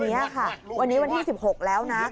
วันเนี้ยค่ะวันนี้วันที่สิบหกแล้วนะ